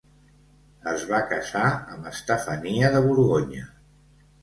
Es va casar amb Estefania de Borgonya.